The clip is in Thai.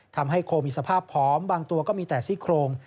ทำให้โคมีสภาพผอมบางตัวก็มีแต่ซี่โครง